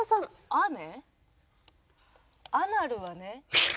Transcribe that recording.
「アナルはね」。